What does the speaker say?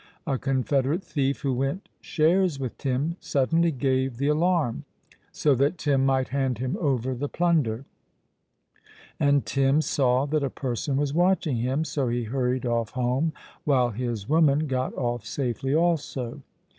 A confederate thief, who went shares with Tim, suddenly gave the alarm, so that Tim might hand him over the plunder; and Tim saw that a person was watching him. So he hurried off home, while his woman got off safely also.